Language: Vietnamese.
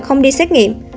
không đi xét nghiệm